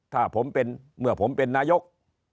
ถ้าผมเป็นเมื่อผมเป็นนายก